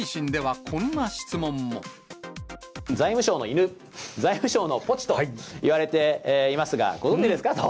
財務省の犬、財務省のポチといわれていますが、ご存じですかと。